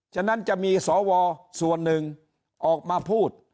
ฉะนั้นจะมีสวส่วนหนึ่งออกมาพูด